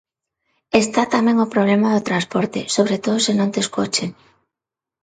Está tamén o problema do transporte, sobre todo se non tes coche.